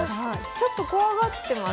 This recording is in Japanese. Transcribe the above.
ちょっと怖がってます？